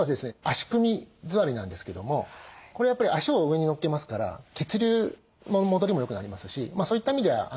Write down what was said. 足組み座りなんですけどもこれやっぱり足を上にのっけますから血流も戻りも良くなりますしそういった意味では非常に楽な姿勢。